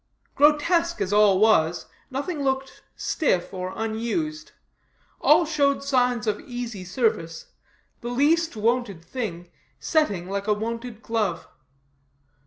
Grotesque as all was, nothing looked stiff or unused; all showed signs of easy service, the least wonted thing setting like a wonted glove.